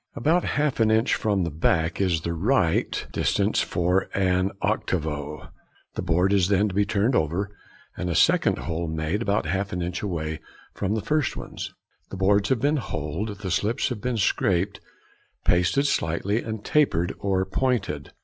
About half an inch away from the back is the right distance for an |58| octavo. The board is then to be turned over, and a second hole made about half an inch away from the first ones. The boards having been holed, the slips must be scraped, pasted slightly, and tapered or pointed.